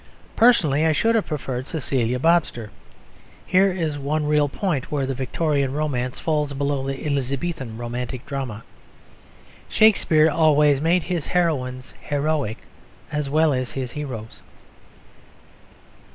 Personally I should have preferred Cecilia Bobster. Here is one real point where the Victorian romance falls below the Elizabethan romantic drama. Shakespeare always made his heroines heroic as well as his heroes.